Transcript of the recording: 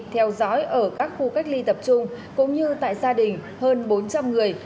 theo dõi ở các khu cách ly tập trung cũng như tại gia đình hơn bốn trăm linh người